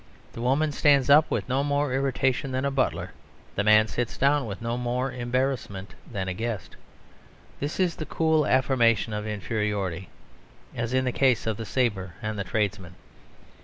The woman stands up, with no more irritation than a butler; the man sits down, with no more embarrassment than a guest. This is the cool affirmation of inferiority, as in the case of the sabre and the tradesman.